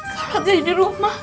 kalau jadi di rumah